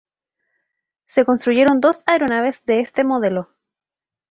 Se construyeron dos aeronaves de este modelo.